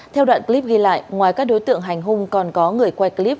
theo đoạn clip ghi lại ngoài các đối tượng hành hung còn có người quay clip